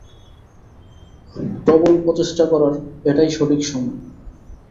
প্রবল প্রচেষ্টা করার এটাই সঠিক সময়।